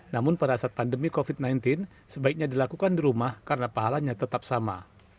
namun pada saat pandemi covid sembilan belas sebaiknya dilakukan di rumah karena pahalanya tetap sama